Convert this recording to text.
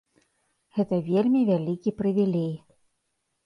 Гэта вельмі вялікі прывілей.